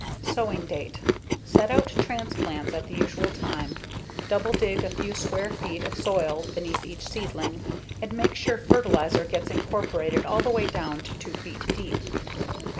Sowing date: Set out transplants at the usual time. Double dig a few square feet of soil beneath each seedling, and make sure fertilizer gets incorporated all the way down to 2 feet deep.